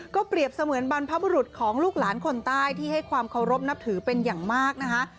เปรียบเสมือนบรรพบุรุษของลูกหลานคนใต้ที่ให้ความเคารพนับถือเป็นอย่างมากนะคะ